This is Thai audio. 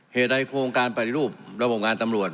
เหตุใดโครงการปฏิรูประบบงานตำรวจ